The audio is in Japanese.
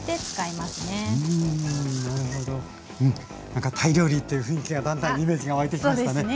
何かタイ料理っていう雰囲気がだんだんイメージが湧いてきましたね。